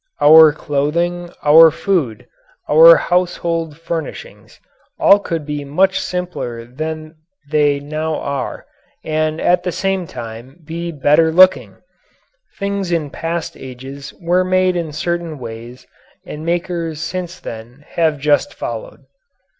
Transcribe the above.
Our clothing, our food, our household furnishings all could be much simpler than they now are and at the same time be better looking. Things in past ages were made in certain ways and makers since then have just followed.